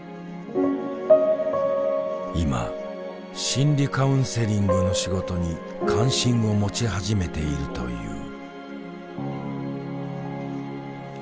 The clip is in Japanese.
今心理カウンセリングの仕事に関心を持ち始めているという。